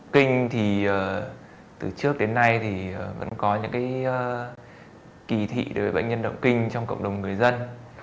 kinh thì từ trước đến nay thì vẫn có những kỳ thị đối với bệnh nhân động kinh trong cộng đồng người dân